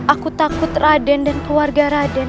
aku takut raden dan keluarga raden